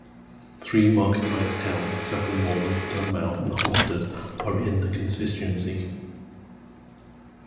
Three medium-sized market towns, Saffron Walden, Dunmow and Halstead are in the constituency.